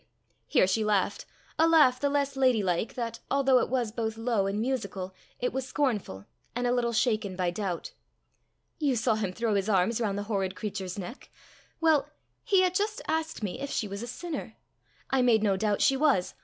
Here she laughed a laugh the less lady like that, although it was both low and musical, it was scornful, and a little shaken by doubt. "You saw him throw his arms round the horrid creature's neck! Well, he had just asked me if she was a sinner. I made no doubt she was.